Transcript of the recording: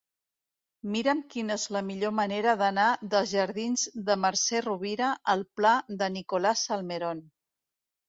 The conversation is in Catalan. Mira'm quina és la millor manera d'anar dels jardins de Mercè Rovira al pla de Nicolás Salmerón.